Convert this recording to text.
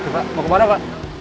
pak mau ke mana pak